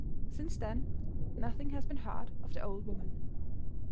Since then nothing has been heard of the old woman.